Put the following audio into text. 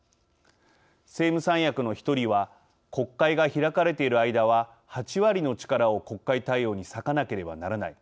政務三役の１人は国会が開かれている間は８割の力を国会対応に割かなければならない。